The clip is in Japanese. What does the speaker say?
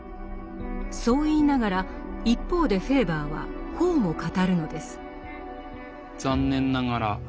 そう言いながら一方でフェーバーはこうも語るのです。